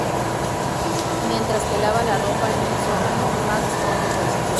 Mientras que lava la ropa en el sótano, Max oye voces.